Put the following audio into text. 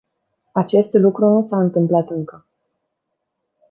Acest lucru nu s-a întâmplat încă.